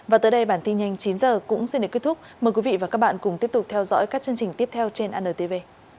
và tới đây bản tin nhanh chín h cũng xin để kết thúc mời quý vị và các bạn cùng tiếp tục theo dõi các chương trình tiếp theo trên antv